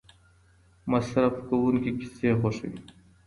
مصرف کوونکي کیسې خوښوي.